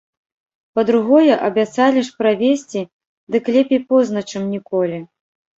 Па-другое, абяцалі ж правесці, дык лепей позна, чым ніколі.